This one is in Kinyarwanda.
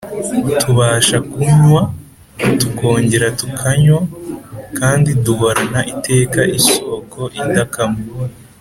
. Tubasha kunywa, tukongera tukanywa, kandi tugahorana iteka isoko idakama